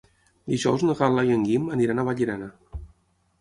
Dijous na Gal·la i en Guim aniran a Vallirana.